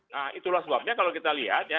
nah itulah sebabnya kalau kita lihat ya